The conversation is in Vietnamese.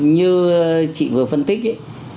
như chị vừa phân tích ý